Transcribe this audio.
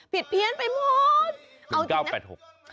ผิดเพี้ยนไปหมด